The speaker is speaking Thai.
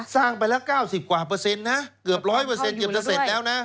สร้างไปแล้ว๙๐กว่าเปอร์เซ็นต์นะเกือบ๑๐๐เปอร์เซ็นต์เกือบจะเสร็จแล้วนะ